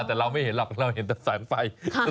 แต่เราไม่เห็นหรอกเราเห็นแต่แสงไฟ